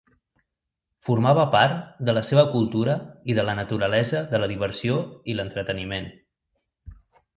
Formava part de la seva cultura i de la naturalesa de la diversió i l'entreteniment.